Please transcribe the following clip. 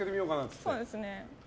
そうですね。